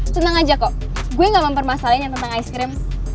tenang aja kok gue gak mempermasalahin yang tentang es krim